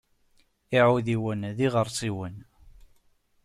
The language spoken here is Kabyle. Iɛudiwen d iɣersiwen.